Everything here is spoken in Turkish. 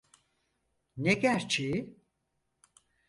Ne gerçeği?